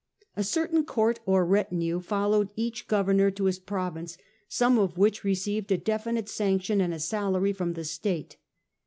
A certain court or retinue followed each governor to his province, some of which received a definite sanction and a salary from the state.